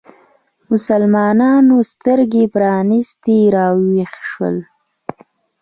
مسلمانانو سترګې پرانیستې راویښ شول